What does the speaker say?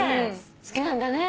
好きなんだね。